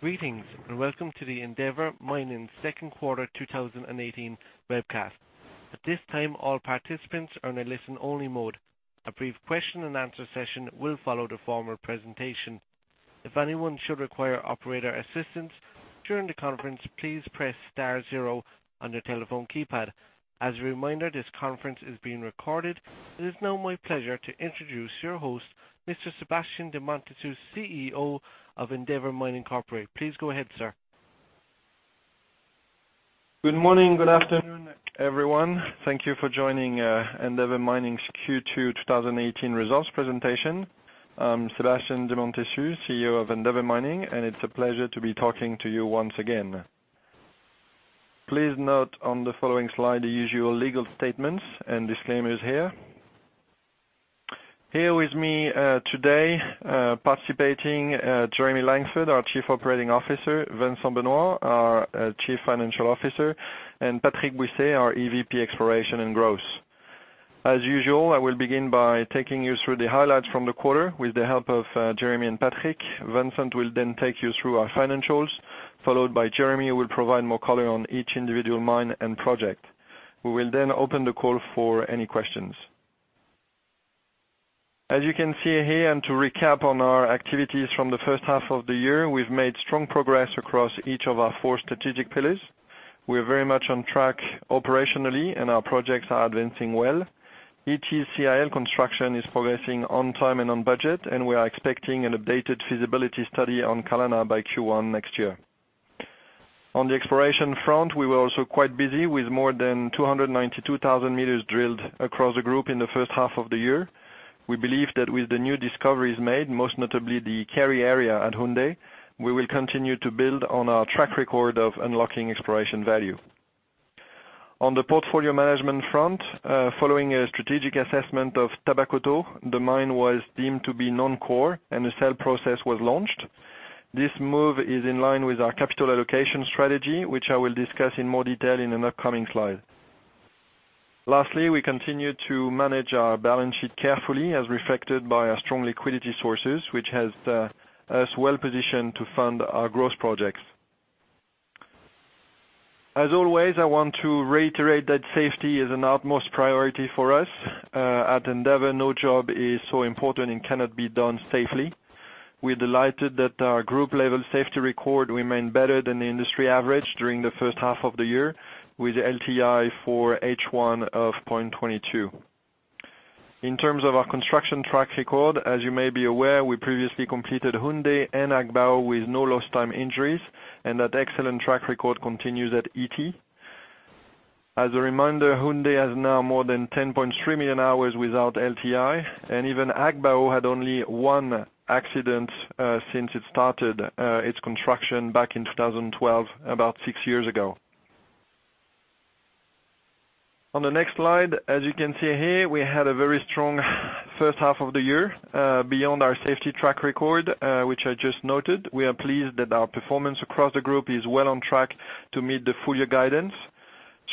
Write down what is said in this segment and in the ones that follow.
Greetings, welcome to the Endeavour Mining second quarter 2018 webcast. At this time, all participants are in a listen-only mode. A brief question and answer session will follow the formal presentation. If anyone should require operator assistance during the conference, please press star zero on your telephone keypad. As a reminder, this conference is being recorded. It is now my pleasure to introduce your host, Mr. Sébastien de Montessus, CEO of Endeavour Mining Corporation. Please go ahead, sir. Good morning. Good afternoon, everyone. Thank you for joining Endeavour Mining's Q2 2018 results presentation. I'm Sébastien de Montessus, CEO of Endeavour Mining. It's a pleasure to be talking to you once again. Please note on the following slide the usual legal statements and disclaimers here. Here with me today participating, Jeremy Langford, our Chief Operating Officer, Vincent Benoit, our Chief Financial Officer, and Patrick Bouisset, our EVP Exploration and Growth. As usual, I will begin by taking you through the highlights from the quarter with the help of Jeremy and Patrick. Vincent will take you through our financials, followed by Jeremy, who will provide more color on each individual mine and project. We will open the call for any questions. As you can see here, to recap on our activities from the first half of the year, we've made strong progress across each of our four strategic pillars. We are very much on track operationally. Our projects are advancing well. Ity CIL construction is progressing on time and on budget. We are expecting an updated feasibility study on Kalana by Q1 next year. On the exploration front, we were also quite busy with more than 292,000 meters drilled across the group in the first half of the year. We believe that with the new discoveries made, most notably the Kari area at Houndé, we will continue to build on our track record of unlocking exploration value. On the portfolio management front, following a strategic assessment of Tabakoto, the mine was deemed to be non-core. The sale process was launched. This move is in line with our capital allocation strategy, which I will discuss in more detail in an upcoming slide. Lastly, we continue to manage our balance sheet carefully as reflected by our strong liquidity sources, which has us well-positioned to fund our growth projects. As always, I want to reiterate that safety is an utmost priority for us. At Endeavour, no job is so important and cannot be done safely. We're delighted that our group-level safety record remained better than the industry average during the first half of the year with LTI for H1 of 0.22. In terms of our construction track record, as you may be aware, we previously completed Houndé and Agbaou with no lost time injuries. That excellent track record continues at Ity. As a reminder, Houndé has now more than 10.3 million hours without LTI, and even Agbaou had only one accident, since it started its construction back in 2012, about six years ago. On the next slide, as you can see here, we had a very strong first half of the year, beyond our safety track record, which I just noted. We are pleased that our performance across the group is well on track to meet the full year guidance,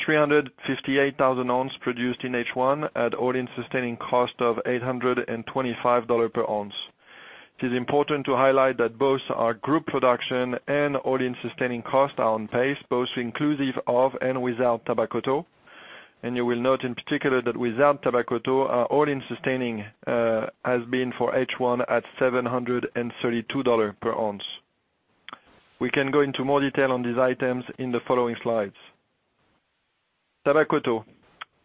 358,000 ounce produced in H1 at all-in sustaining cost of $825 per ounce. It is important to highlight that both our group production and all-in sustaining cost are on pace, both inclusive of and without Tabakoto. You will note in particular that without Tabakoto, our all-in sustaining has been for H1 at $732 per ounce. We can go into more detail on these items in the following slides. Tabakoto.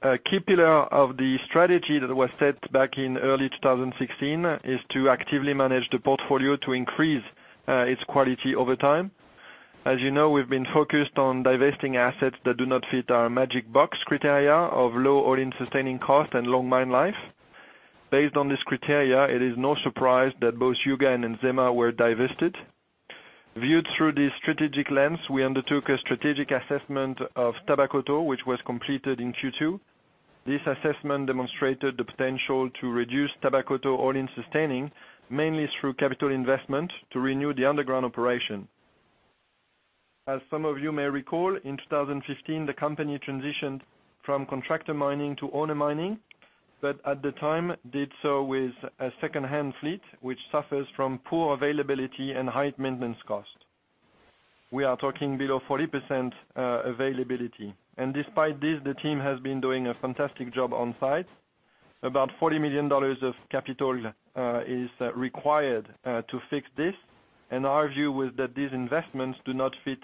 A key pillar of the strategy that was set back in early 2016 is to actively manage the portfolio to increase its quality over time. As you know, we've been focused on divesting assets that do not fit our magic box criteria of low all-in sustaining cost and long mine life. Based on this criteria, it is no surprise that both Youga and Nzema were divested. Viewed through the strategic lens, we undertook a strategic assessment of Tabakoto, which was completed in Q2. This assessment demonstrated the potential to reduce Tabakoto all-in sustaining, mainly through capital investment to renew the underground operation. As some of you may recall, in 2015, the company transitioned from contractor mining to owner mining, but at the time, did so with a secondhand fleet, which suffers from poor availability and high maintenance cost. We are talking below 40% availability. Despite this, the team has been doing a fantastic job on site. About $40 million of capital is required to fix this, and our view was that these investments do not fit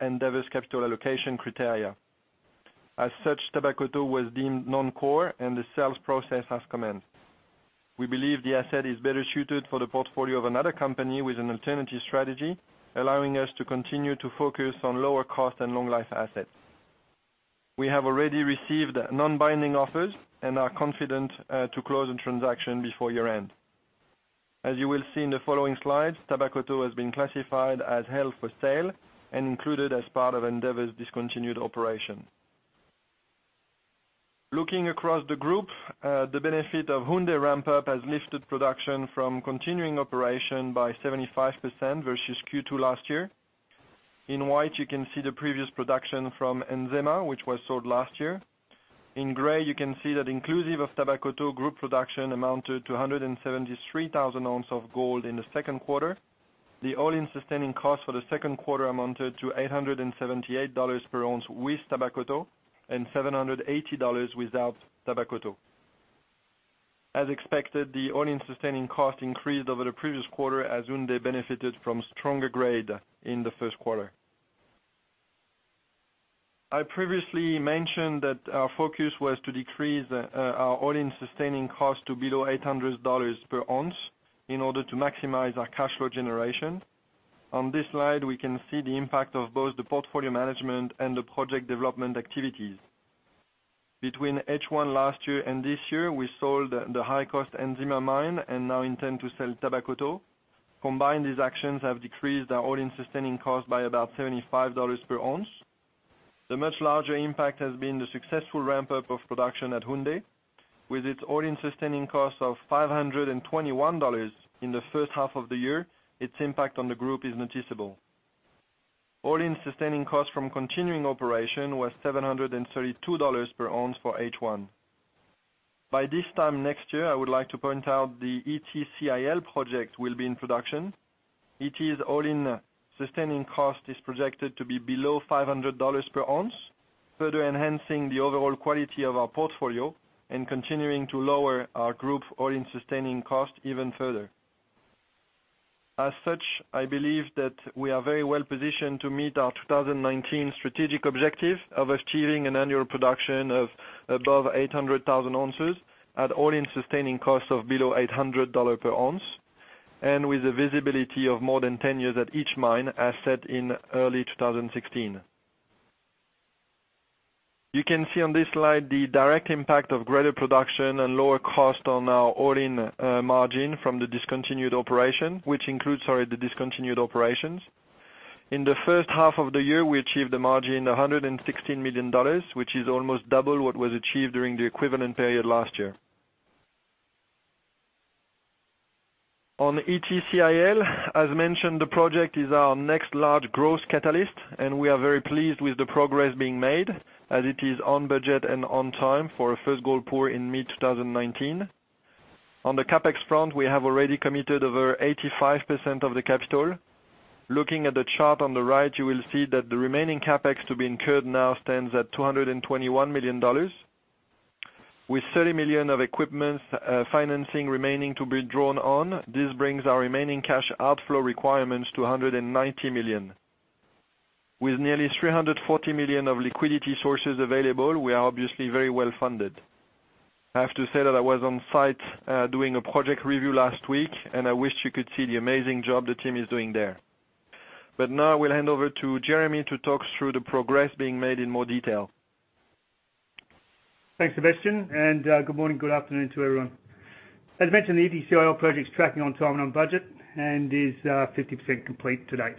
Endeavour's capital allocation criteria. As such, Tabakoto was deemed non-core, and the sales process has commenced. We believe the asset is better suited for the portfolio of another company with an alternative strategy, allowing us to continue to focus on lower cost and long life assets. We have already received non-binding offers and are confident to close the transaction before year-end. As you will see in the following slides, Tabakoto has been classified as held for sale and included as part of Endeavour's discontinued operation. Looking across the group, the benefit of Houndé ramp-up has lifted production from continuing operation by 75% versus Q2 last year. In white, you can see the previous production from Nzema, which was sold last year. In gray, you can see that inclusive of Tabakoto group production amounted to 173,000 ounces of gold in the second quarter. The all-in sustaining costs for the second quarter amounted to $878 per ounce with Tabakoto and $780 without Tabakoto. As expected, the all-in sustaining cost increased over the previous quarter as Houndé benefited from stronger grade in the first quarter. I previously mentioned that our focus was to decrease our all-in sustaining cost to below $800 per ounce in order to maximize our cash flow generation. On this slide, we can see the impact of both the portfolio management and the project development activities. Between H1 last year and this year, we sold the high-cost Nzema mine and now intend to sell Tabakoto. Combined, these actions have decreased our all-in sustaining cost by about $75 per ounce. The much larger impact has been the successful ramp-up of production at Houndé. With its all-in sustaining cost of $521 in the first half of the year, its impact on the group is noticeable. All-in sustaining cost from continuing operation was $732 per ounce for H1. By this time next year, I would like to point out the Ity CIL project will be in production. Ity's all-in sustaining cost is projected to be below $500 per ounce, further enhancing the overall quality of our portfolio and continuing to lower our group all-in sustaining cost even further. I believe that we are very well positioned to meet our 2019 strategic objective of achieving an annual production of above 800,000 ounces at all-in sustaining costs of below $800 per ounce, and with the visibility of more than 10 years at each mine, as set in early 2016. You can see on this slide the direct impact of greater production and lower cost on our all-in margin from the discontinued operation, which includes, sorry, the discontinued operations. In the first half of the year, we achieved a margin of $116 million, which is almost double what was achieved during the equivalent period last year. On Ity CIL, as mentioned, the project is our next large growth catalyst, and we are very pleased with the progress being made as it is on budget and on time for a first gold pour in mid-2019. On the CapEx front, we have already committed over 85% of the capital. Looking at the chart on the right, you will see that the remaining CapEx to be incurred now stands at $221 million. With $30 million of equipment financing remaining to be drawn on, this brings our remaining cash outflow requirements to $190 million. With nearly $340 million of liquidity sources available, we are obviously very well funded. I have to say that I was on site doing a project review last week, and I wish you could see the amazing job the team is doing there. Now I will hand over to Jeremy to talk through the progress being made in more detail. Thanks, Sébastien, and good morning, good afternoon to everyone. As mentioned, the Ity CIL project is tracking on time and on budget and is 50% complete to date.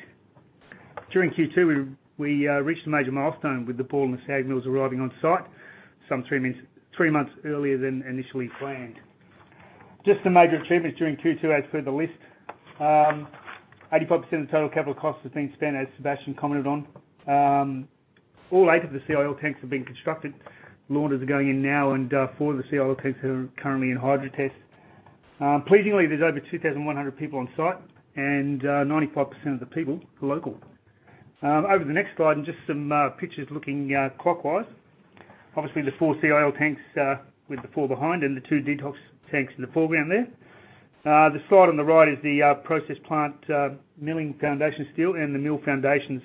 During Q2, we reached a major milestone with the ball and SAG mills arriving on site, some three months earlier than initially planned. Just some major achievements during Q2, as per the list. 85% of total capital costs have been spent, as Sébastien commented on. All eight of the CIL tanks have been constructed. Launder is going in now, and four of the CIL tanks are currently in hydro test. Pleasingly, there's over 2,100 people on site, and 95% of the people are local. Over to the next slide and just some pictures looking clockwise. Obviously, the four CIL tanks with the four behind and the two detox tanks in the foreground there. The slide on the right is the process plant milling foundation steel and the mill foundations,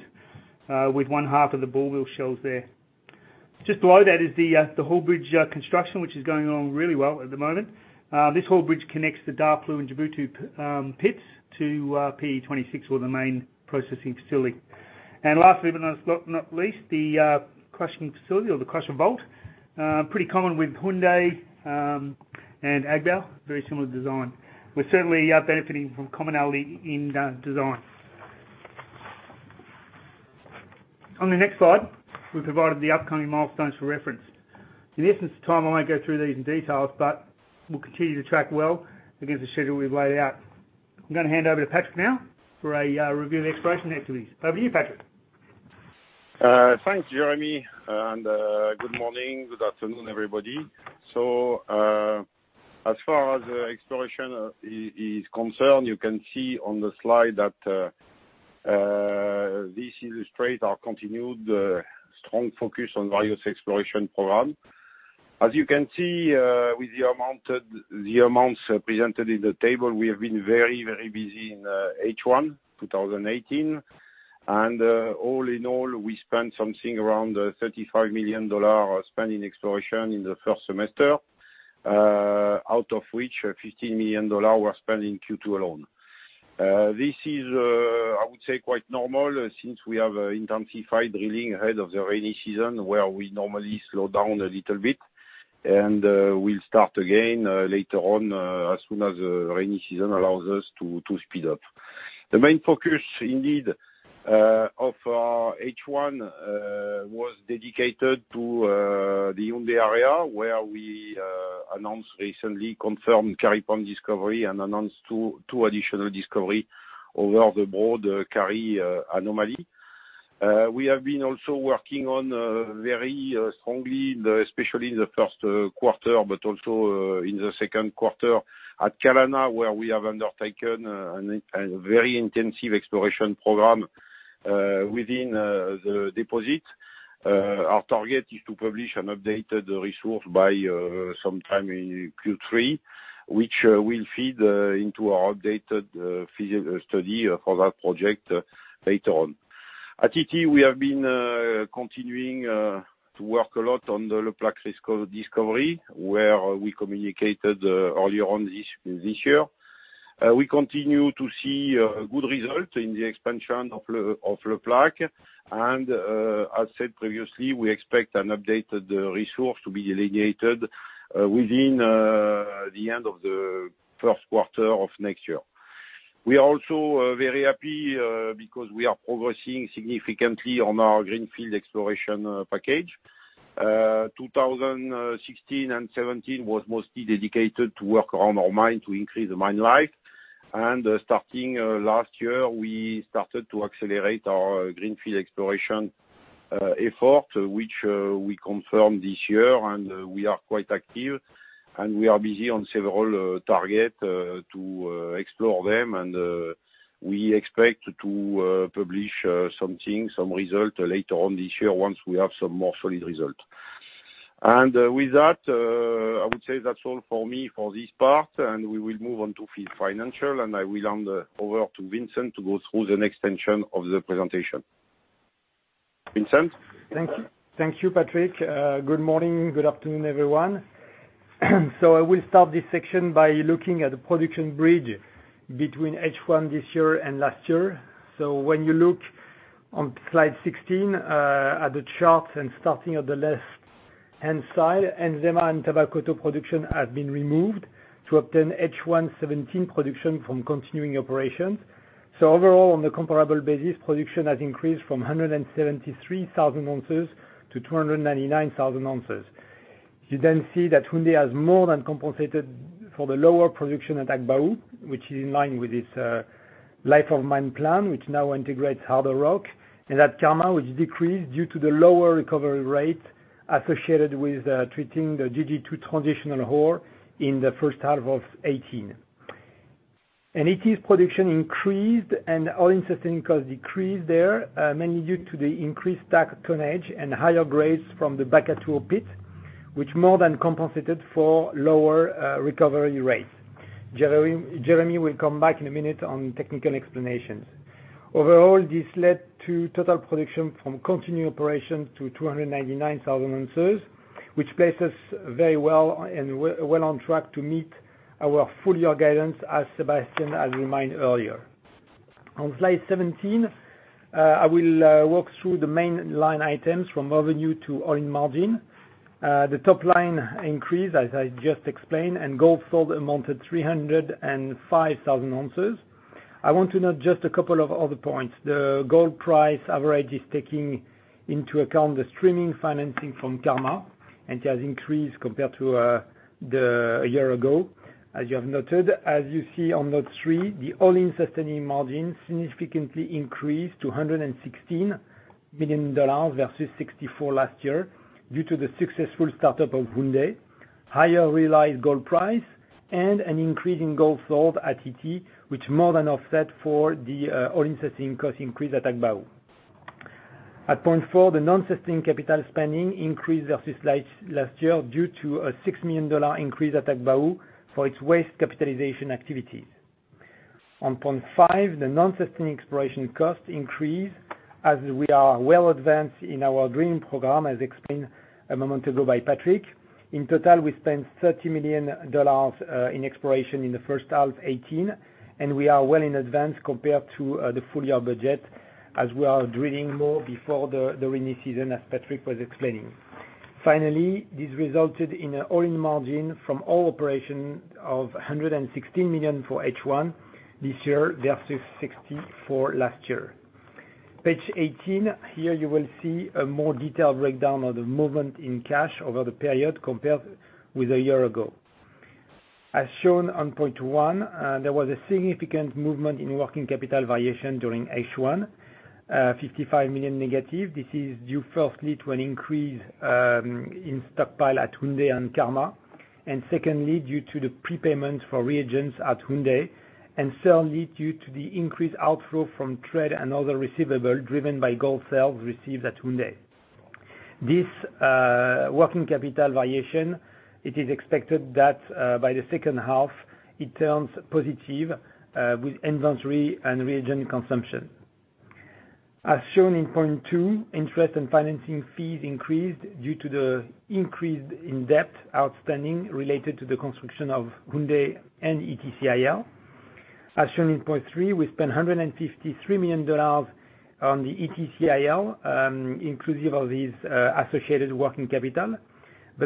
with one half of the ball mill shells there. Just below that is the haul bridge construction, which is going along really well at the moment. This haul bridge connects the Daapleu and Ity pits to PE26 or the main processing facility. Last but not least, the crushing facility or the crusher vault. Pretty common with Houndé and Agbaou, very similar design. We're certainly benefiting from commonality in design. On the next slide, we provided the upcoming milestones for reference. In the essence of time, I won't go through these in detail, but we'll continue to track well against the schedule we've laid out. I'm going to hand over to Patrick now for a review of the exploration activities. Over to you, Patrick. Thanks, Jeremy, good morning, good afternoon, everybody. As far as exploration is concerned, you can see on the slide that this illustrates our continued strong focus on various exploration programs. As you can see with the amounts presented in the table, we have been very, very busy in H1 2018. All in all, we spent something around $35 million spent in exploration in the first semester, out of which $15 million were spent in Q2 alone. This is, I would say, quite normal since we have intensified drilling ahead of the rainy season, where we normally slow down a little bit, and we'll start again later on, as soon as the rainy season allows us to speed up. The main focus indeed of our H1 was dedicated to the Houndé area, where we announced recently confirmed Kari Pump discovery and announced two additional discovery over the broad Kari anomaly. We have been also working on very strongly, especially in the first quarter, but also in the second quarter at Kalana, where we have undertaken a very intensive exploration program within the deposit. Our target is to publish an updated resource by sometime in Q3, which will feed into our updated feasibility study for that project later on. At Ity, we have been continuing to work a lot on the Le Plaque discovery, where we communicated earlier on this year. We continue to see good results in the expansion of Le Plaque. As I said previously, we expect an updated resource to be delineated within the end of the first quarter of next year. We are also very happy because we are progressing significantly on our greenfield exploration package. 2016 and 2017 was mostly dedicated to work around our mine to increase the mine life. Starting last year, we started to accelerate our greenfield exploration effort, which we confirmed this year. We are quite active. We are busy on several targets to explore them. We expect to publish something, some result later on this year once we have some more solid result. With that, I would say that's all for me for this part. We will move on to financial. I will hand over to Vincent Benoit to go through the next section of the presentation. Vincent? Thank you, Patrick Bouisset. Good morning. Good afternoon, everyone. I will start this section by looking at the production bridge between H1 this year and last year. When you look on slide 16, at the chart and starting at the left-hand side, Nzema and Tabakoto production have been removed to obtain H1 2017 production from continuing operations. Overall, on the comparable basis, production has increased from 173,000 ounces to 299,000 ounces. You see that Houndé has more than compensated for the lower production at Agbaou, which is in line with its life of mine plan, which now integrates harder rock, and at Karma, which decreased due to the lower recovery rate associated with treating the GG2 transitional ore in the first half of 2018. Ity's production increased and all-in sustaining cost decreased there, mainly due to the increased stack tonnage and higher grades from the Bakatouo pit, which more than compensated for lower recovery rates. Jeremy Langford will come back in a minute on technical explanations. Overall, this led to total production from continuing operations to 299,000 ounces, which places very well on track to meet our full-year guidance, as Sébastien de Montessus has reminded earlier. On slide 17, I will walk through the main line items from revenue to all-in margin. The top line increased, as I just explained. Gold sold amounted 305,000 ounces. I want to note just a couple of other points. The gold price average is taking into account the streaming financing from Karma. It has increased compared to a year ago. As you have noted, as you see on note three, the all-in sustaining margin significantly increased to $116 million versus $64 million last year due to the successful start-up of Houndé, higher realized gold price, and an increase in gold sold at Ity, which more than offset for the all-in sustaining cost increase at Agbaou. At point 4, the non-sustaining capital spending increased versus last year due to a $6 million increase at Agbaou for its waste capitalization activities. On point 5, the non-sustaining exploration cost increase, as we are well advanced in our drilling program, as explained a moment ago by Patrick Bouisset. In total, we spent $30 million in exploration in the first half 2018. We are well in advance compared to the full-year budget, as we are drilling more before the rainy season, as Patrick Bouisset was explaining. Finally, this resulted in an all-in margin from all operations of $116 million for H1 this year versus $64 million last year. Page 18, here you will see a more detailed breakdown of the movement in cash over the period compared with a year ago. As shown on point 1, there was a significant movement in working capital variation during H1, $55 million negative. This is due firstly to an increase in stockpile at Houndé and Karma. Secondly, due to the prepayment for reagents at Houndé, and thirdly, due to the increased outflow from trade and other receivable driven by gold sales received at Houndé. This working capital variation, it is expected that by the second half, it turns positive with inventory and reagent consumption. As shown in point 2, interest and financing fees increased due to the increase in debt outstanding related to the construction of Houndé and Ity CIL. As shown in point 3, we spent $153 million on the Ity CIL, inclusive of these associated working capital.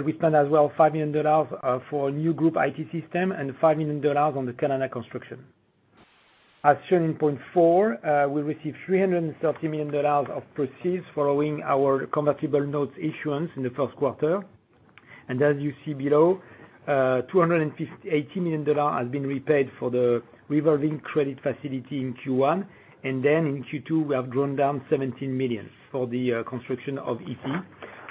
We spent as well $5 million for new group IT system and $5 million on the Kalana construction. As shown in point 4, we received $330 million of proceeds following our convertible notes issuance in the first quarter. As you see below, $280 million has been repaid for the revolving credit facility in Q1. In Q2, we have drawn down $17 million for the construction of Ity,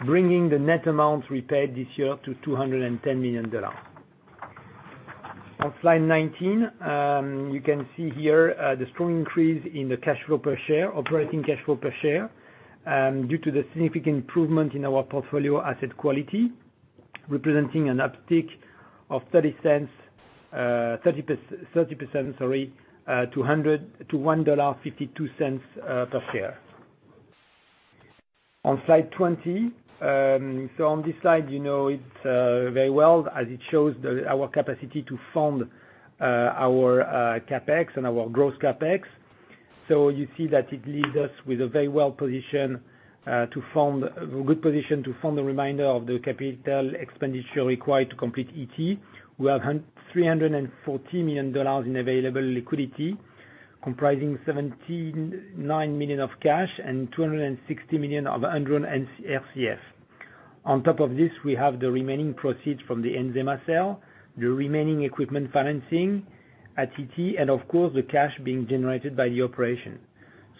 bringing the net amount repaid this year to $210 million. On slide 19, you can see here the strong increase in the cash flow per share, operating cash flow per share, due to the significant improvement in our portfolio asset quality, representing an uptick of 30%, to $1.52 per share. On slide 20. On this slide, you know it very well as it shows our capacity to fund our CapEx and our gross CapEx. You see that it leaves us with a very good position to fund the remainder of the capital expenditure required to complete Ity. We have $340 million in available liquidity, comprising $79 million of cash and $260 million of undrawn RCF. On top of this, we have the remaining proceeds from the Nzema sale, the remaining equipment financing at Ity, and of course, the cash being generated by the operation.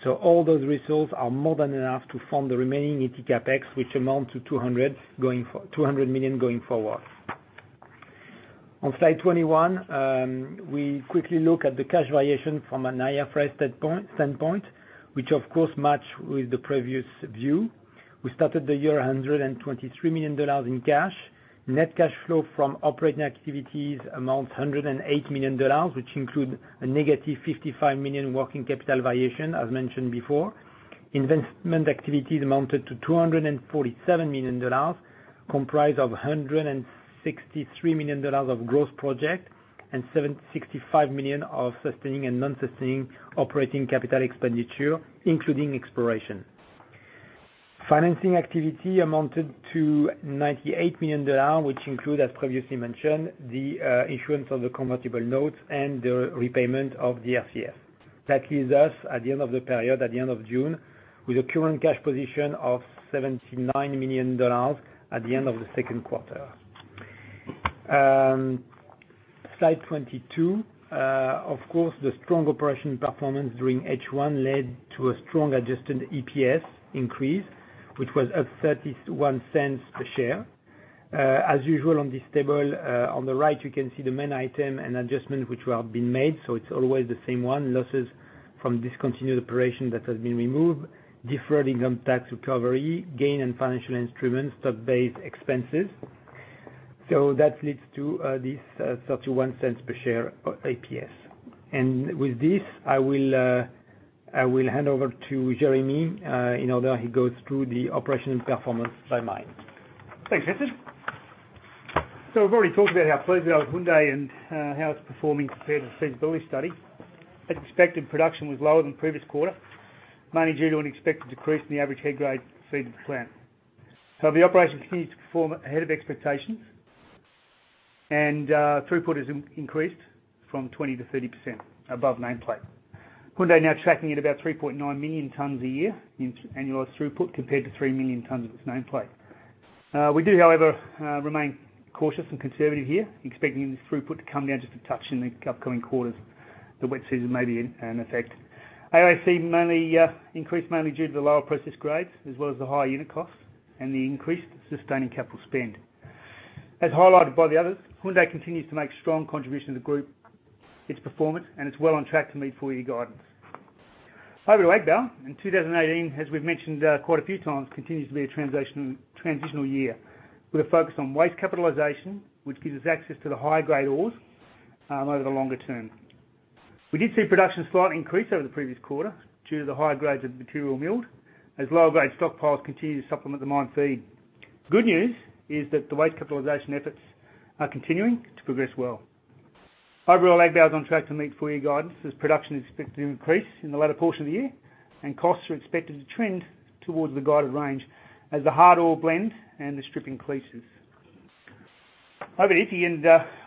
All those results are more than enough to fund the remaining Ity CapEx, which amount to $200 million going forward. On slide 21, we quickly look at the cash variation from an IFRS standpoint, which of course match with the previous view. We started the year $123 million in cash. Net cash flow from operating activities amount $108 million, which include a negative $55 million working capital variation, as mentioned before. Investment activities amounted to $247 million, comprised of $163 million of gross project and $765 million of sustaining and non-sustaining operating capital expenditure, including exploration. Financing activity amounted to $98 million, which include, as previously mentioned, the issuance of the convertible notes and the repayment of the RCF. That leaves us at the end of the period, at the end of June, with a current cash position of $79 million at the end of the second quarter. Slide 22. Of course, the strong operation performance during H1 led to a strong adjusted EPS increase, which was at $0.31 per share. As usual on this table, on the right you can see the main item and adjustment which have been made. It's always the same one, losses from discontinued operation that has been removed, deferred income tax recovery, gain in financial instruments, stock-based expenses. That leads to this $0.31 per share EPS. With this, I will hand over to Jeremy, in order he goes through the operational performance by mine. Thanks, Vincent. We've already talked about how pleased I was with Houndé and how it's performing compared to feasibility study. As expected, production was lower than previous quarter, mainly due to an expected decrease in the average head grade feed to the plant. The operation continues to perform ahead of expectations, and throughput has increased from 20%-30% above nameplate. Houndé now tracking at about 3.9 million tons a year in annualized throughput, compared to 3 million tons of its nameplate. We do, however, remain cautious and conservative here, expecting this throughput to come down just a touch in the upcoming quarters. The wet season may be in effect. AISC mainly increased mainly due to the lower process grades as well as the higher unit costs and the increased sustaining capital spend. As highlighted by the others, Houndé continues to make strong contribution to the group, its performance, and it's well on track to meet full year guidance. Over to Agbaou. In 2018, as we've mentioned quite a few times, continues to be a transitional year. With a focus on waste capitalization, which gives us access to the higher-grade ores over the longer term. We did see production slightly increase over the previous quarter due to the higher grades of material milled, as lower grade stockpiles continue to supplement the mine feed. Good news is that the waste capitalization efforts are continuing to progress well. Overall, Agbaou is on track to meet full year guidance as production is expected to increase in the latter portion of the year, and costs are expected to trend towards the guided range as the hard ore blend and the strip increases. Over to Ity,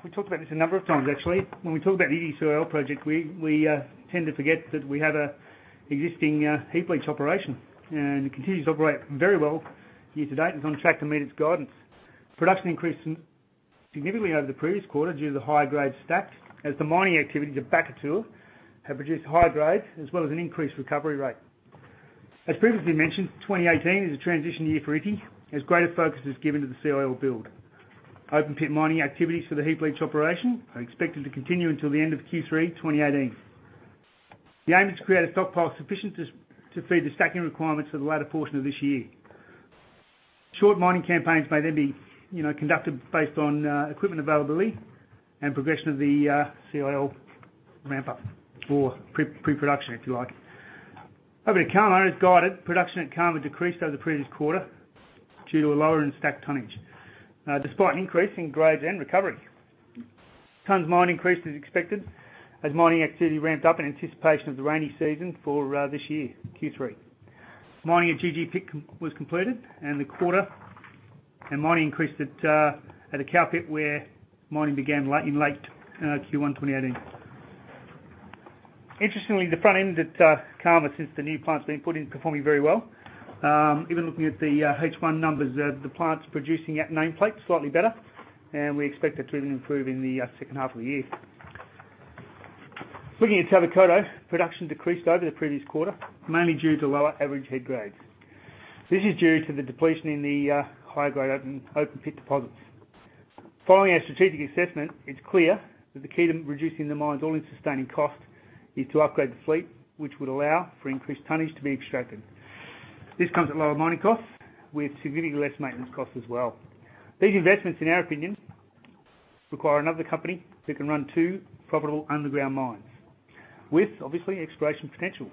we talked about this a number of times, actually. When we talk about the Ity CIL project, we tend to forget that we have existing heap leach operation, and it continues to operate very well year to date and is on track to meet its guidance. Production increased significantly over the previous quarter due to the higher grade stacked, as the mining activities at Bakatouo have produced higher grades as well as an increased recovery rate. As previously mentioned, 2018 is a transition year for Ity, as greater focus is given to the CIL build. Open pit mining activities for the heap leach operation are expected to continue until the end of Q3 2018. The aim is to create a stockpile sufficient to feed the stacking requirements for the latter portion of this year. Short mining campaigns may then be conducted based on equipment availability and progression of the CIL ramp up, or pre-production if you like. Over to Karma. As guided, production at Karma decreased over the previous quarter due to a lower in-stack tonnage, despite an increase in grades and recovery. Tons mined increased as expected, as mining activity ramped up in anticipation of the rainy season for this year, Q3. Mining at GG2 pit was completed in the quarter, and mining increased at the Kao pit, where mining began in late Q1 2018. Interestingly, the front end at Karma, since the new plant's been put in, performing very well. Even looking at the H1 numbers, the plant's producing at nameplate slightly better, and we expect that to improve in the second half of the year. Looking at Tabakoto, production decreased over the previous quarter, mainly due to lower average head grades. This is due to the depletion in the higher grade open pit deposits. Following our strategic assessment, it's clear that the key to reducing the mine's all-in sustaining cost is to upgrade the fleet, which would allow for increased tonnage to be extracted. This comes at lower mining costs, with significantly less maintenance costs as well. These investments, in our opinion, require another company that can run two profitable underground mines with, obviously, exploration potential.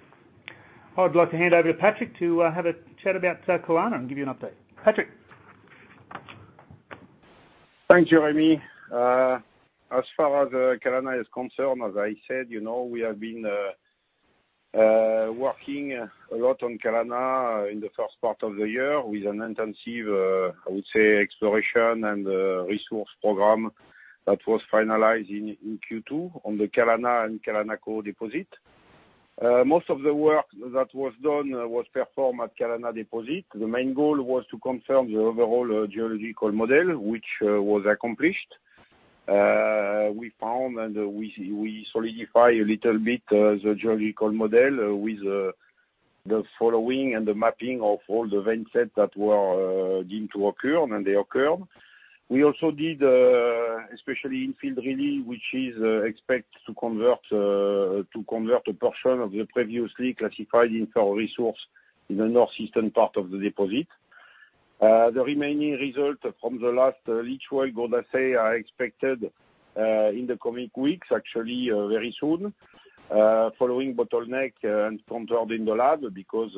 I would like to hand over to Patrick to have a chat about Kalana and give you an update. Patrick? Thanks, Jeremy. As far as Kalana is concerned, as I said, we have been working a lot on Kalana in the first part of the year with an intensive, I would say, exploration and resource program that was finalized in Q2 on the Kalana and Kalanako deposit. Most of the work that was done was performed at Kalana deposit. The main goal was to confirm the overall geological model, which was accomplished. We found and we solidify a little bit the geological model with the following and the mapping of all the vent sets that were deemed to occur, and they occurred. We also did, especially in field really, which is expected to convert a portion of the previously classified inferred resource in the northeastern part of the deposit. The remaining result from the last leach trial, I would say, are expected in the coming weeks, actually very soon, following bottleneck and control in the lab, because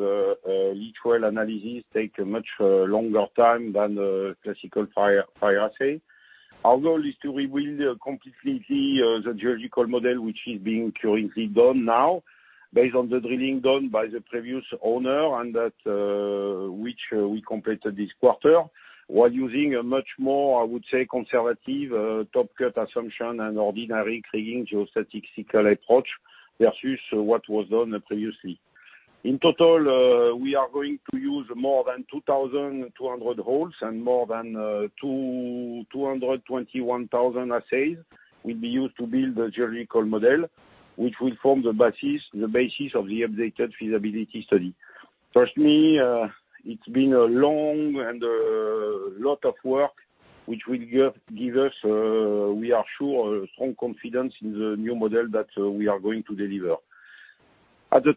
leach trial analysis take a much longer time than the classical fire assay. Our goal is to rebuild completely the geological model, which is being currently done now, based on the drilling done by the previous owner and that which we completed this quarter, while using a much more, I would say, conservative top cut assumption and ordinary kriging geostatistical approach versus what was done previously. In total, we are going to use more than 2,200 holes and more than 221,000 assays will be used to build the geological model, which will form the basis of the updated feasibility study. Trust me, it's been a long and a lot of work, which will give us, we are sure, strong confidence in the new model that we are going to deliver. At the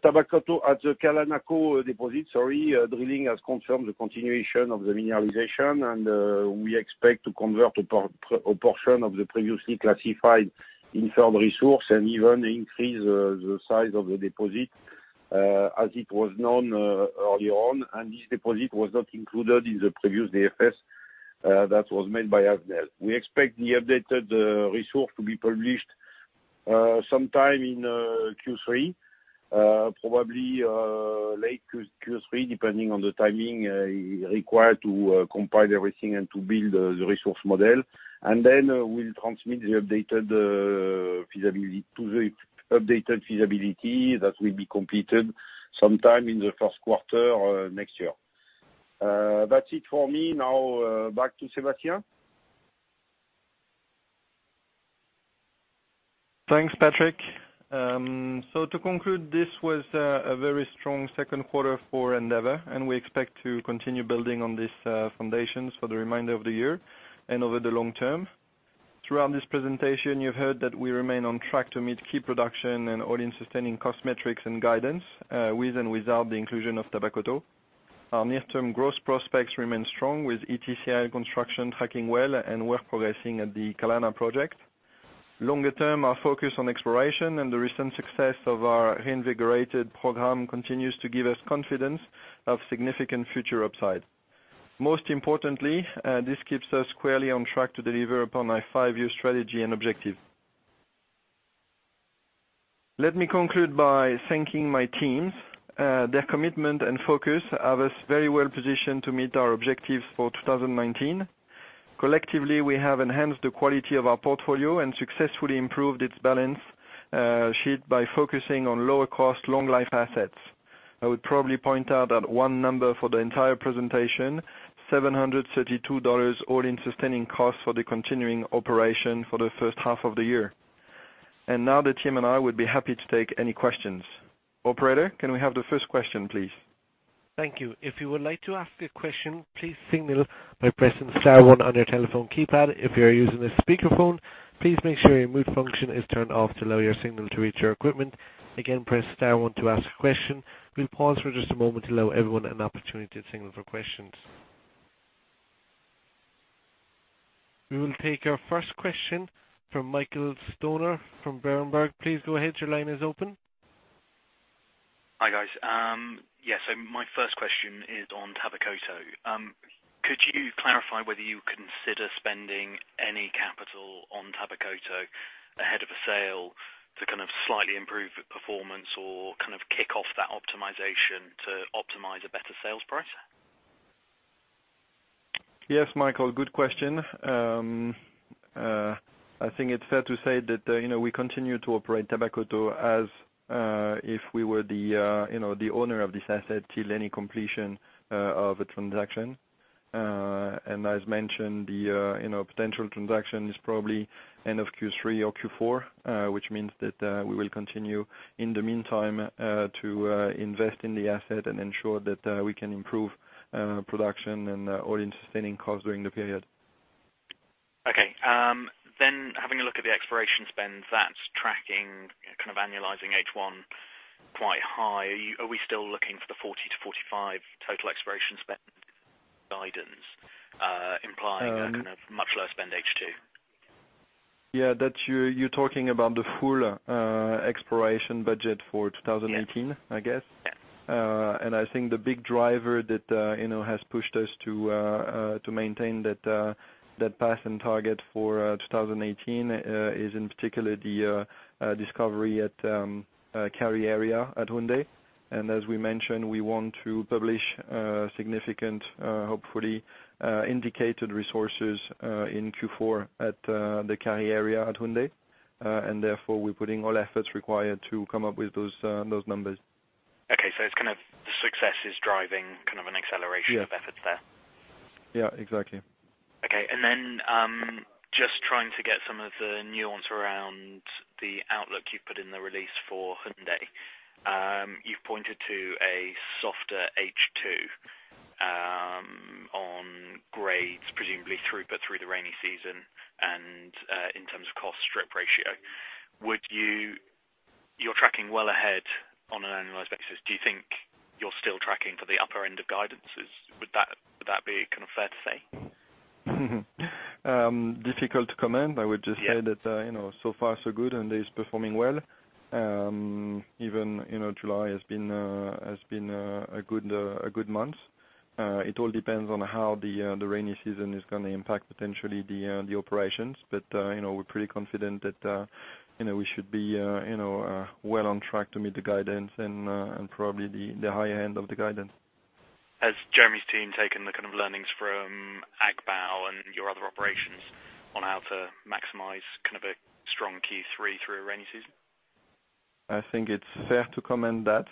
Kalanako deposit, drilling has confirmed the continuation of the mineralization, and we expect to convert a portion of the previously classified inferred resource and even increase the size of the deposit as it was known earlier on. This deposit was not included in the previous DFS that was made by Avnel. We expect the updated resource to be published sometime in Q3, probably late Q3, depending on the timing required to compile everything and to build the resource model. Then we'll transmit to the updated feasibility that will be completed sometime in the first quarter next year. That's it for me. Now, back to Sébastien. Thanks, Patrick. To conclude, this was a very strong second quarter for Endeavour, and we expect to continue building on these foundations for the remainder of the year and over the long term. Throughout this presentation, you've heard that we remain on track to meet key production and all-in sustaining cost metrics and guidance, with and without the inclusion of Tabakoto. Our near-term growth prospects remain strong with Ity CIL construction tracking well and work progressing at the Kalana project. Longer term, our focus on exploration and the recent success of our reinvigorated program continues to give us confidence of significant future upside. Most importantly, this keeps us squarely on track to deliver upon our five-year strategy and objective. Let me conclude by thanking my teams. Their commitment and focus have us very well positioned to meet our objectives for 2019. Collectively, we have enhanced the quality of our portfolio and successfully improved its balance sheet by focusing on lower-cost, long-life assets. I would probably point out that one number for the entire presentation, $732 all-in sustaining costs for the continuing operation for the first half of the year. Now the team and I would be happy to take any questions. Operator, can we have the first question, please? Thank you. If you would like to ask a question, please signal by pressing star one on your telephone keypad. If you are using a speakerphone, please make sure your mute function is turned off to allow your signal to reach our equipment. Again, press star one to ask a question. We'll pause for just a moment to allow everyone an opportunity to signal for questions. We will take our first question from Michael Stoner from Berenberg. Please go ahead. Your line is open. Hi, guys. Yeah, my first question is on Tabakoto. Could you clarify whether you consider spending any capital on Tabakoto ahead of a sale to kind of slightly improve the performance or kind of kick off that optimization to optimize a better sales price? Yes, Michael, good question. I think it's fair to say that we continue to operate Tabakoto as if we were the owner of this asset till any completion of a transaction. As mentioned, the potential transaction is probably end of Q3 or Q4, which means that we will continue in the meantime to invest in the asset and ensure that we can improve production and all-in sustaining cost during the period. Okay. Having a look at the exploration spend that's tracking, kind of annualizing H1 quite high, are we still looking for the $40-$45 total exploration spend guidance implying a much lower spend H2? Yeah. You're talking about the full exploration budget for 2018? Yes I guess. Yes. I think the big driver that has pushed us to maintain that path and target for 2018, is in particular the discovery at Kari area at Houndé. As we mentioned, we want to publish significant, hopefully, indicated resources in Q4 at the Kari area at Houndé. Therefore, we're putting all efforts required to come up with those numbers. It's success is driving an acceleration- Yeah of efforts there. Yeah, exactly. Okay. Just trying to get some of the nuance around the outlook you've put in the release for Houndé. You've pointed to a softer H2 on grades, presumably through the rainy season and, in terms of cost strip ratio. You're tracking well ahead on an annualized basis. Do you think you're still tracking for the upper end of guidances? Would that be fair to say? Difficult to comment. I would just say that so far so good, Houndé is performing well. Even July has been a good month. It all depends on how the rainy season is going to impact potentially the operations. We're pretty confident that we should be well on track to meet the guidance and probably the higher end of the guidance. Has Jeremy's team taken the kind of learnings from Agbaou and your other operations on how to maximize a strong Q3 through a rainy season? I think it's fair to comment that.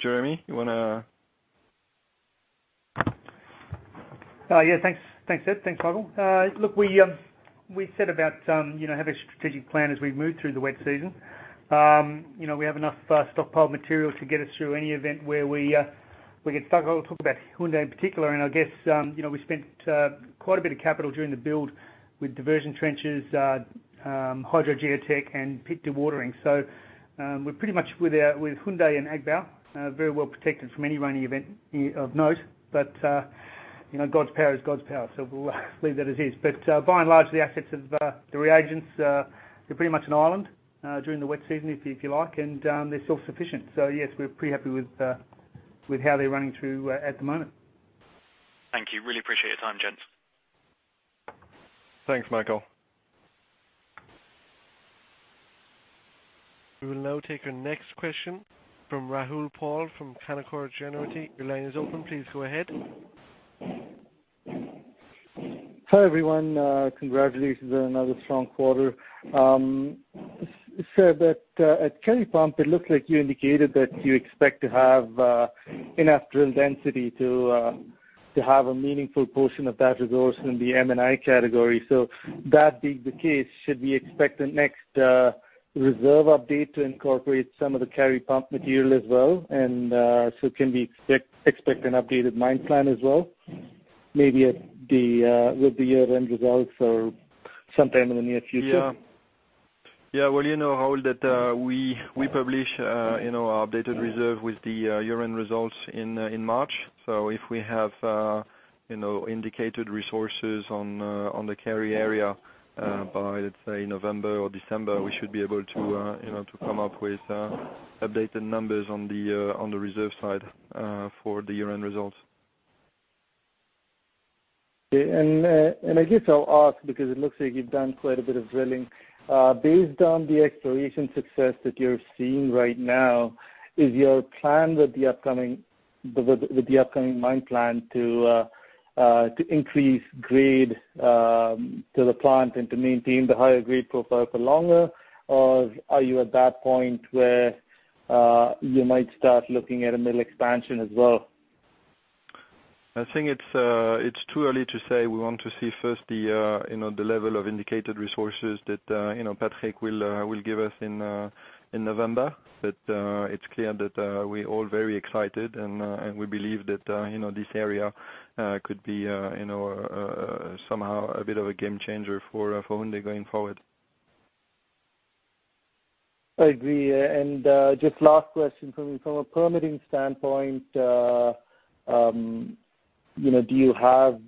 Jeremy, you want to Yeah. Thanks, Seb. Thanks, Michael. Look, we set about have a strategic plan as we move through the wet season. We have enough stockpiled material to get us through any event where we get stuck. I'll talk about Houndé in particular, and I guess, we spent quite a bit of capital during the build with diversion trenches, hydro geotech, and pit dewatering. We're pretty much with Houndé and Agbaou, very well protected from any rainy event of note. God's power is God's power, so we'll leave that as is. By and large, the assets of the reagents, they're pretty much an island during the wet season, if you like, and they're self-sufficient. Yes, we're pretty happy with how they're running through at the moment. Thank you. Really appreciate your time, gents. Thanks, Michael. We will now take our next question from Rahul Paul from Canaccord Genuity. Your line is open. Please go ahead. Hi, everyone. Congratulations on another strong quarter. Seb, at Kari Pump, it looks like you indicated that you expect to have enough drill density to have a meaningful portion of that resource in the M&I category. That being the case, should we expect the next reserve update to incorporate some of the Kari Pump material as well? Can we expect an updated mine plan as well? Maybe with the year-end results or sometime in the near future? Yeah. Well, you know, Rahul, that we publish our updated reserve with the year-end results in March. If we have indicated resources on the Kari area by, let's say, November or December, we should be able to come up with updated numbers on the reserve side for the year-end results. Okay. I guess I'll ask because it looks like you've done quite a bit of drilling. Based on the exploration success that you're seeing right now, is your plan with the upcoming mine plan to increase grade to the plant and to maintain the higher grade profile for longer? Or are you at that point where you might start looking at a mill expansion as well? I think it's too early to say. We want to see first the level of indicated resources that Patrick will give us in November. It's clear that we're all very excited and we believe that this area could be somehow a bit of a game changer for Houndé going forward. I agree. Just last question from me. From a permitting standpoint, do you have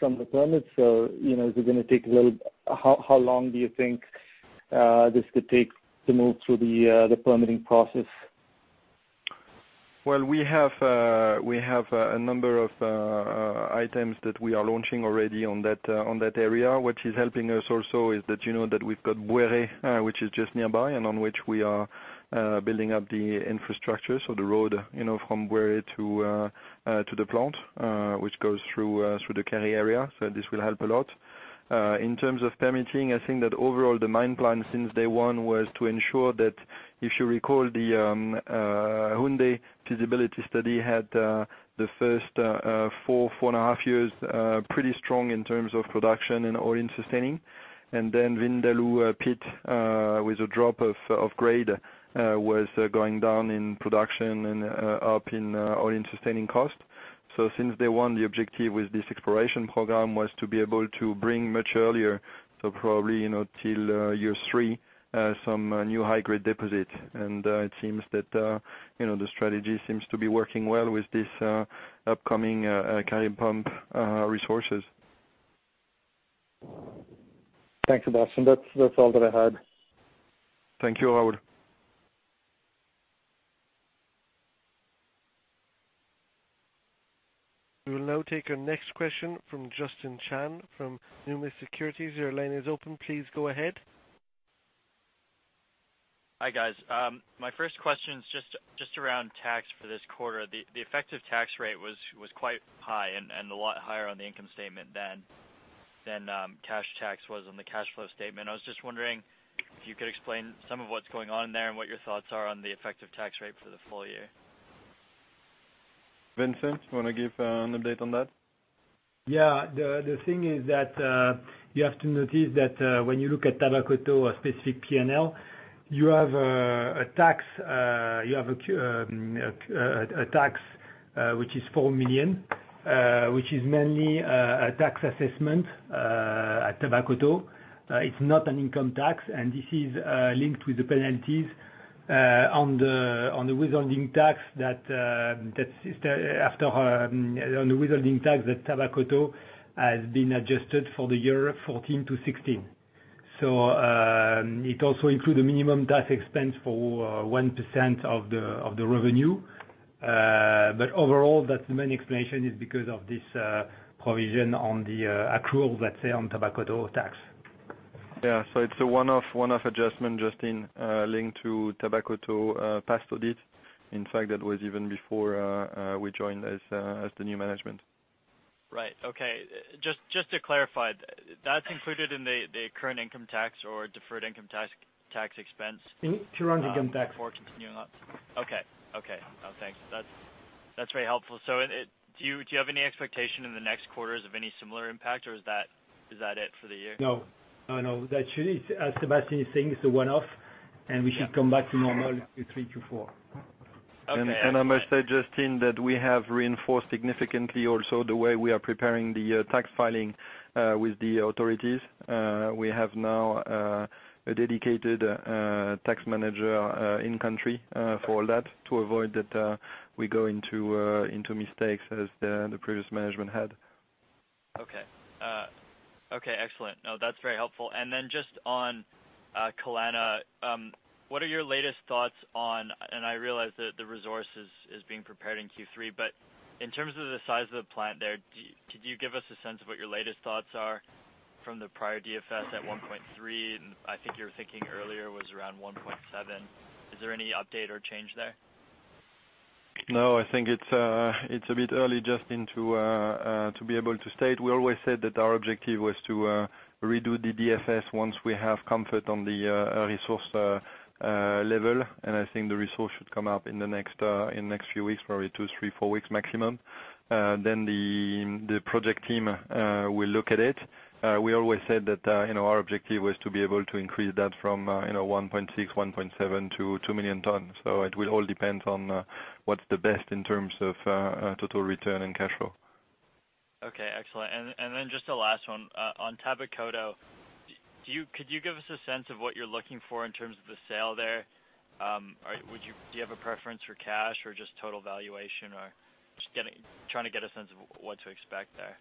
some of the permits, or is it going to take How long do you think this could take to move through the permitting process? Well, we have a number of items that we are launching already on that area. What is helping us also is that we've got Bouéré, which is just nearby, and on which we are building up the infrastructure. The road from Bouéré to the plant, which goes through the Kari area, this will help a lot. In terms of permitting, I think that overall, the mine plan since day one was to ensure that if you recall, the Houndé feasibility study had the first four and a half years pretty strong in terms of production and all-in sustaining. Then Vindaloo pit with a drop of grade was going down in production and up in all-in sustaining cost. Since day one, the objective with this exploration program was to be able to bring much earlier, so probably, till year three, some new high-grade deposit. It seems that the strategy seems to be working well with these upcoming Kari Pump resources. Thanks, Sébastien. That's all that I had. Thank you, Rahul. We will now take our next question from Justin Chan from Numis Securities. Your line is open. Please go ahead. Hi, guys. My first question is just around tax for this quarter. The effective tax rate was quite high and a lot higher on the income statement than cash tax was on the cash flow statement. I was just wondering if you could explain some of what's going on there and what your thoughts are on the effective tax rate for the full year. Vincent, you want to give an update on that? Yeah. The thing is that you have to notice that when you look at Tabakoto, a specific P&L, you have a tax which is $4 million, which is mainly a tax assessment at Tabakoto. It's not an income tax, and this is linked with the penalties on the withholding tax that Tabakoto has been adjusted for the year 2014 to 2016. It also includes a minimum tax expense for 1% of the revenue. Overall, the main explanation is because of this provision on the accrual, let's say, on Tabakoto tax. Yeah, it's a one-off adjustment, Justin, linked to Tabakoto past audit. In fact, that was even before we joined as the new management. Right. Okay. Just to clarify, that's included in the current income tax or deferred income tax expense? Current income tax before continuing on. Okay. Thanks. That's very helpful. Do you have any expectation in the next quarters of any similar impact, or is that it for the year? No. Actually, as Sébastien is saying, it's a one-off, and we should come back to normal in three to four. Okay. I must say, Justin, that we have reinforced significantly also the way we are preparing the tax filing with the authorities. We have now a dedicated tax manager in country for all that to avoid that we go into mistakes as the previous management had. Okay. Excellent. No, that's very helpful. Just on Kalanako, what are your latest thoughts on, and I realize that the resource is being prepared in Q3, but in terms of the size of the plant there, could you give us a sense of what your latest thoughts are from the prior DFS at 1.3? I think your thinking earlier was around 1.7. Is there any update or change there? I think it's a bit early, Justin, to be able to state. We always said that our objective was to redo the DFS once we have comfort on the resource level, and I think the resource should come up in the next few weeks, probably two, three, four weeks maximum. The project team will look at it. We always said that our objective was to be able to increase that from 1.6, 1.7 to 2 million tons. It will all depend on what's the best in terms of total return and cash flow. Okay, excellent. Just the last one. On Tabakoto, could you give us a sense of what you're looking for in terms of the sale there? Do you have a preference for cash or just total valuation or Just trying to get a sense of what to expect there.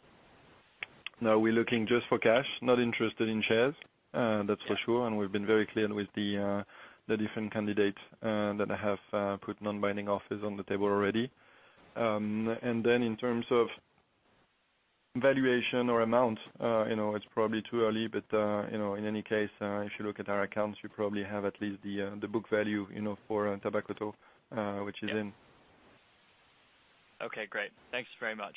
We're looking just for cash. Not interested in shares. That's for sure, and we've been very clear with the different candidates that have put non-binding offers on the table already. In terms of valuation or amount, it's probably too early. In any case, if you look at our accounts, we probably have at least the book value for Tabakoto, which is in. Okay, great. Thanks very much.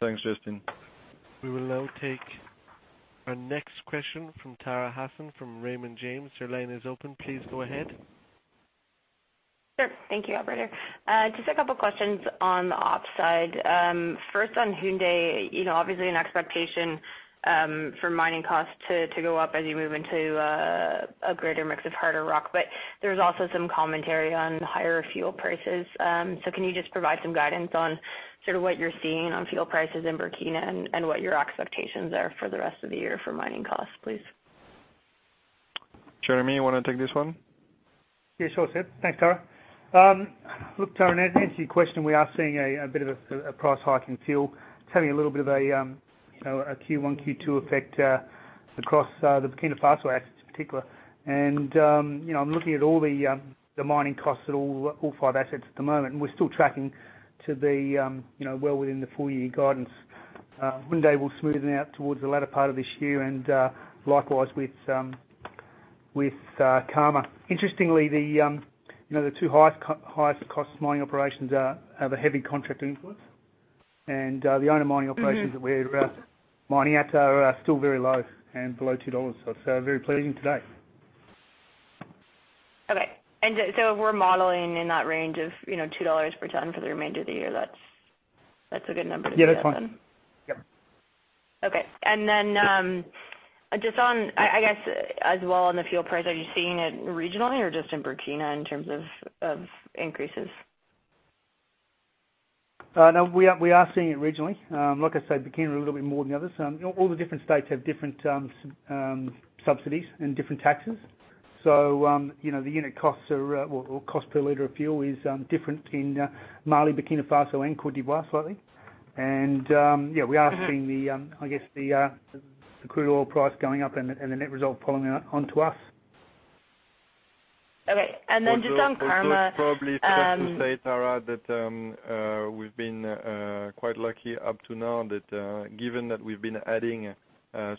Thanks, Justin. We will now take our next question from Tara Hassan from Raymond James. Your line is open. Please go ahead. Sure. Thank you, operator. Just a couple questions on the ops side. First on Houndé, obviously an expectation for mining costs to go up as you move into a greater mix of harder rock, but there's also some commentary on higher fuel prices. Can you just provide some guidance on sort of what you're seeing on fuel prices in Burkina and what your expectations are for the rest of the year for mining costs, please? Jeremy, you want to take this one? Yeah, sure. Thanks, Tara. Look, Tara, to answer your question, we are seeing a bit of a price hike in fuel. It's having a little bit of a Q1, Q2 effect across the Burkina Faso assets in particular. I'm looking at all the mining costs at all five assets at the moment, and we're still tracking to be well within the full-year guidance. Houndé will smoothen out towards the latter part of this year and likewise with Karma. Interestingly, the two highest cost mining operations have a heavy contract influence. The only mining operations. That we're mining at are still very low and below $2. Very pleasing to date. Okay. If we're modeling in that range of $2 per ton for the remainder of the year, that's a good number to plan on? Yeah, that's right. Yep. Okay. I guess as well on the fuel price, are you seeing it regionally or just in Burkina in terms of increases? No, we are seeing it regionally. Like I said, Burkina a little bit more than the others. All the different states have different subsidies and different taxes. The unit costs or cost per liter of fuel is different in Mali, Burkina Faso, and Côte d'Ivoire slightly. Yeah, we are seeing- I guess the crude oil price going up and the net result falling onto us. Okay. Just on Karma. Also it's probably fair to say, Tara, that we've been quite lucky up to now that given that we've been adding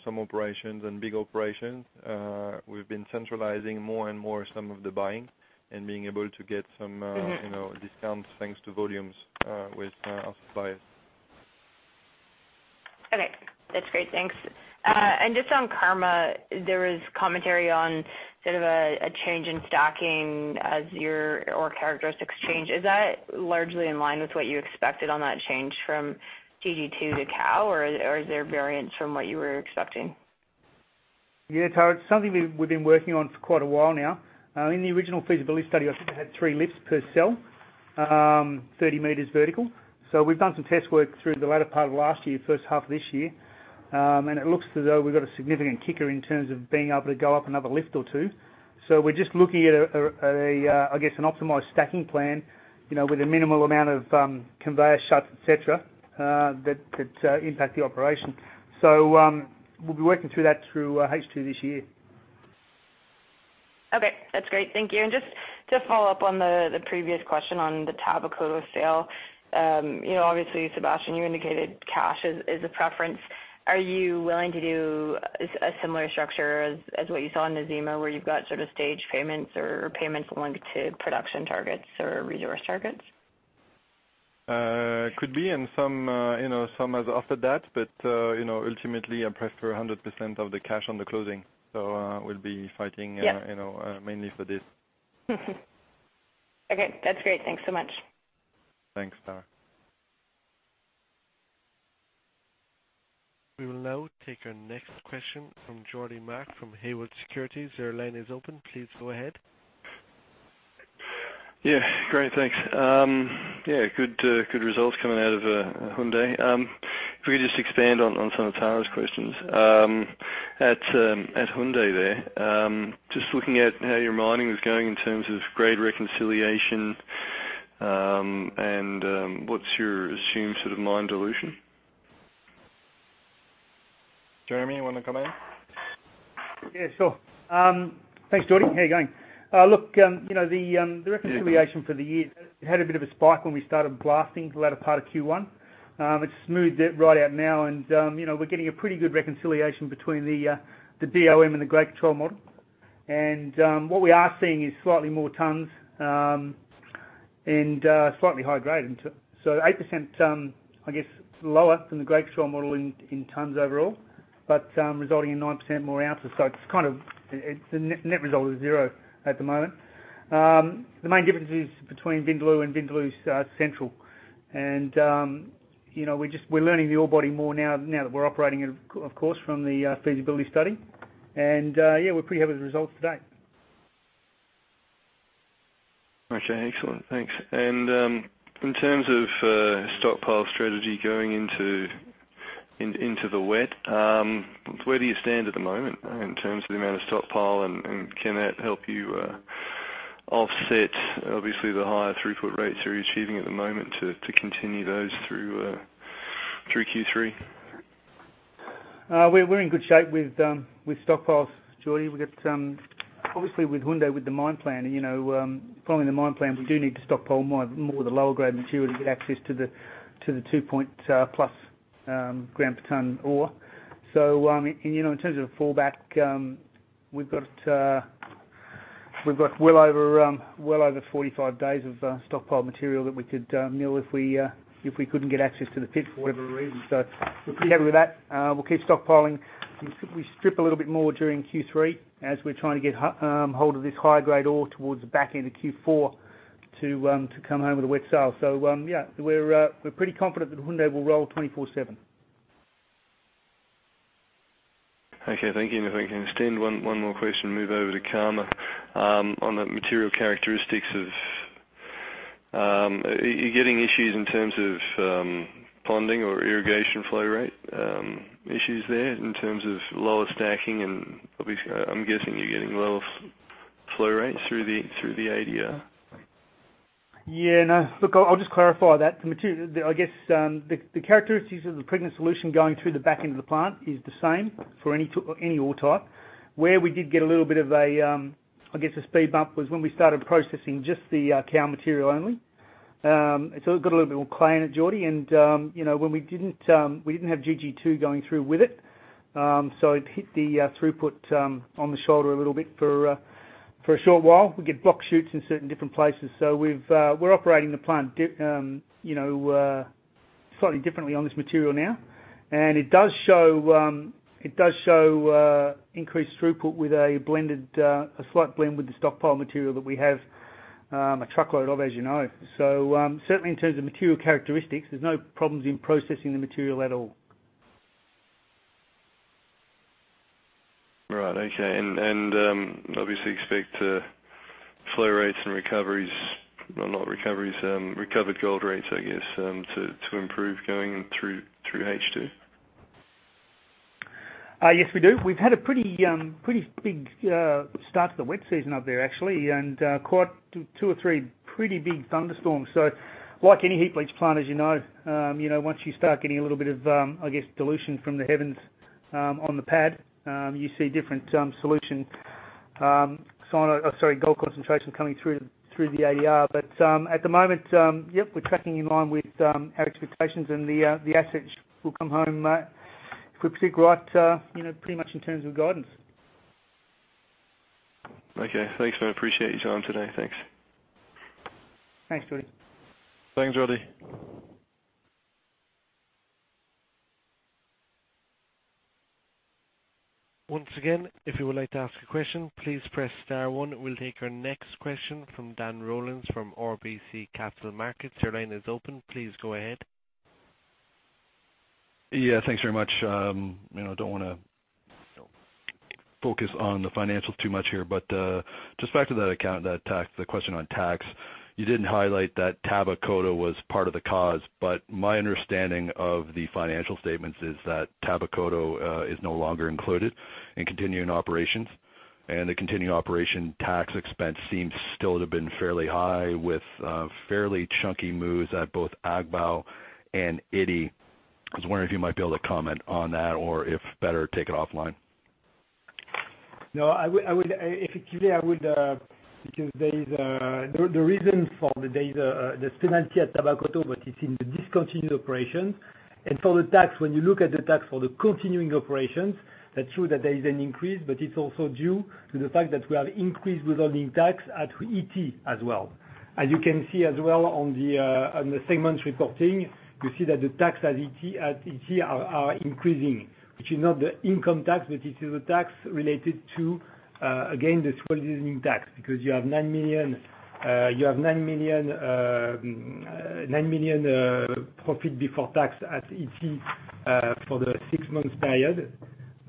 some operations and big operations, we've been centralizing more and more some of the buying and being able to get some. Discounts thanks to volumes with our suppliers. Okay. That's great. Thanks. Just on Karma, there was commentary on sort of a change in stacking as your ore characteristics change. Is that largely in line with what you expected on that change from GG2 to Kao, or is there variance from what you were expecting? Yeah, Tara, it's something we've been working on for quite a while now. In the original feasibility study, I think they had three lifts per cell, 30 meters vertical. We've done some test work through the latter part of last year, first half of this year. It looks as though we've got a significant kicker in terms of being able to go up another lift or two. We're just looking at, I guess, an optimized stacking plan, with a minimal amount of conveyor shuts, et cetera, that impact the operation. We'll be working through that through H2 this year. Okay. That's great. Thank you. Just to follow up on the previous question on the Tabakoto sale. Obviously, Sébastien, you indicated cash is a preference. Are you willing to do a similar structure as what you saw in the Nzema, where you've got sort of stage payments or payments linked to production targets or resource targets? Could be, some as after that. Ultimately, I prefer 100% of the cash on the closing. We'll be fighting. Yeah mainly for this. Okay. That's great. Thanks so much. Thanks, Tara. We will now take our next question from Geordie Mark from Haywood Securities. Your line is open. Please go ahead. Great, thanks. Yeah, good results coming out of Houndé. If we could just expand on some of Tara's questions. At Houndé there, just looking at how your mining was going in terms of grade reconciliation, and what's your assumed sort of mine dilution? Jeremy, you want to come in? Sure. Thanks, Geordie. How you going? Look, the reconciliation. Yeah The reconciliation for the year had a bit of a spike when we started blasting the latter part of Q1. It's smoothed right out now and we're getting a pretty good reconciliation between the BOM and the grade control model. What we are seeing is slightly more tons, and slightly higher grade. 8%, I guess, lower than the grade control model in tons overall, but resulting in 9% more ounces. The net result is zero at the moment. The main difference is between Vindaloo and Vindaloo Central. We're learning the ore body more now that we're operating, of course, from the feasibility study. And, yeah, we're pretty happy with the results to date. Okay. Excellent. Thanks. In terms of stockpile strategy going into the wet, where do you stand at the moment in terms of the amount of stockpile? Can that help you offset obviously the higher throughput rates you're achieving at the moment to continue those through Q3? We're in good shape with stockpiles, Geordie. Obviously with Houndé with the mine plan. Following the mine plan, we do need to stockpile more of the lower grade material to get access to the two-point plus gram per ton ore. In terms of fallback, we've got well over 45 days of stockpiled material that we could mill if we couldn't get access to the pit for whatever reason. We're pretty happy with that. We'll keep stockpiling. We strip a little bit more during Q3 as we're trying to get hold of this higher grade ore towards the back end of Q4 to come home with a wet sale. Yeah, we're pretty confident that Houndé will roll 24/7. Okay, thank you. If I can extend one more question, move over to Karma. On the material characteristics, are you getting issues in terms of ponding or irrigation flow rate issues there in terms of lower stacking? Obviously, I'm guessing you're getting lower flow rates through the ADR? Yeah, no. Look, I'll just clarify that. I guess the characteristics of the pregnant solution going through the back end of the plant is the same for any ore type. Where we did get a little bit of a speed bump was when we started processing just the Kao material only. It got a little bit more clay in at Geordie and we didn't have GG2 going through with it hit the throughput on the shoulder a little bit for a short while. We get block shoots in certain different places. We're operating the plant slightly differently on this material now, and it does show increased throughput with a slight blend with the stockpile material that we have a truckload of, as you know. Certainly in terms of material characteristics, there's no problems in processing the material at all. Right. Okay. Obviously expect flow rates and recoveries, well, not recoveries, recovered gold rates, I guess, to improve going through H2? Yes, we do. We've had a pretty big start to the wet season up there, actually, and quite two or three pretty big thunderstorms. Like any heap leach plant, as you know, once you start getting a little bit of dilution from the heavens on the pad, you see different gold concentration coming through the ADR. At the moment, yep, we're tracking in line with our expectations and the assets will come home, if we predict right, pretty much in terms of guidance. Okay, thanks very much. Appreciate your time today. Thanks. Thanks, Geordie. Thanks, Geordie. Once again, if you would like to ask a question, please press star one. We'll take our next question from Dan Rollins from RBC Capital Markets. Your line is open. Please go ahead. Yeah, thanks very much. I don't want to focus on the financials too much here, but just back to the question on tax. You didn't highlight that Tabakoto was part of the cause, but my understanding of the financial statements is that Tabakoto is no longer included in continuing operations, and the continuing operation tax expense seems still to have been fairly high with fairly chunky moves at both Agbaou and Ity. I was wondering if you might be able to comment on that or if better take it offline. No, effectively I would, because the reason for the data, there's penalty at Tabakoto, but it's in the discontinued operation. For the tax, when you look at the tax for the continuing operations, that's true that there is an increase, but it's also due to the fact that we have increased with earning tax at Ity as well. As you can see as well on the segments reporting, you see that the tax at Ity are increasing, which is not the income tax, but it is a tax related to, again, the 12 earning tax, because you have $9 million profit before tax at Ity for the six months period,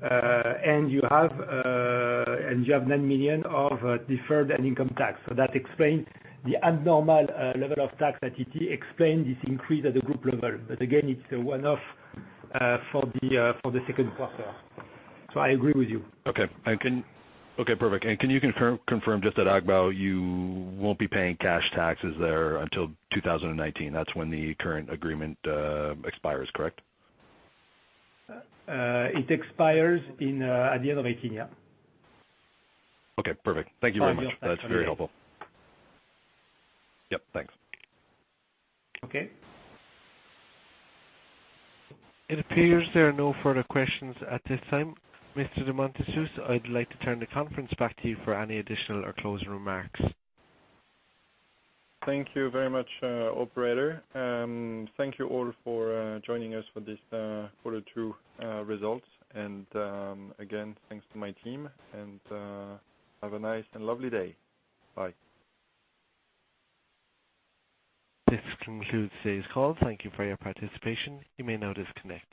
and you have $9 million of deferred and income tax. That explains the abnormal level of tax at Ity, explains this increase at the group level. Again, it's a one-off for the second quarter. I agree with you. Okay, perfect. Can you confirm just at Agbaou you won't be paying cash taxes there until 2019? That's when the current agreement expires, correct? It expires at the end of 2018, yeah. Okay, perfect. Thank you very much. Thank you. That's very helpful. Yep, thanks. Okay. It appears there are no further questions at this time. Mr. de Montessus, I'd like to turn the conference back to you for any additional or closing remarks. Thank you very much, operator. Thank you all for joining us for the Q2 results. Again, thanks to my team, and have a nice and lovely day. Bye. This concludes today's call. Thank you for your participation. You may now disconnect.